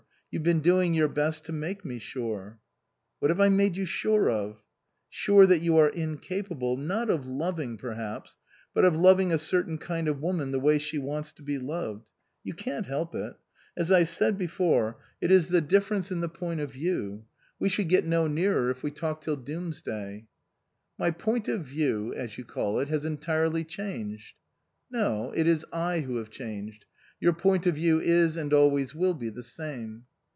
You've been doing your best to make me sure." " What have I made you sure of ?" "Sure that you are incapable, not of loving perhaps, but of loving a certain kind of woman the way she wants to be loved. You can't help it. As I said before, it is the difference in the 175 THE COSMOPOLITAN point of view. We should get no nearer if we talked till doomsday." " My point of view, as you call it, has entirely changed." " No. It is I who have changed. Your point of view is, and always will be the same."